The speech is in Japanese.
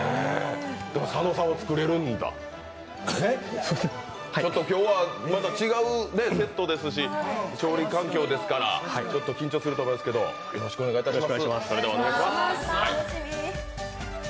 でも、佐野さんは作れるんだ今日はまた違うセットですし調理環境ですから緊張すると思いますけど、よろしくお願いいたします。